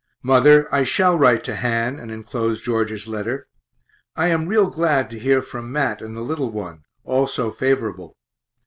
Mother, I shall write to Han and enclose George's letter. I am real glad to hear from Mat and the little one, all so favorable.